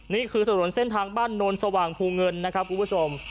นี่คือถนนเส้นทางบ้านโนนสว่างภูเงินนะครับคุณผู้ชม